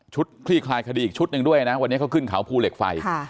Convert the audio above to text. คลี่คลายคดีอีกชุดหนึ่งด้วยนะวันนี้เขาขึ้นเขาภูเหล็กไฟ